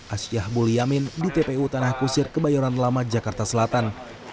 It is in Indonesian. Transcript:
asyah bolyamin di tpu tanah kusir kebayoran lama jakarta selatan